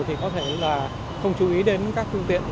thì có thể là không chú ý đến các phương tiện